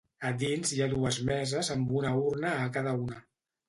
A dins hi ha dues meses amb una urna a cada una.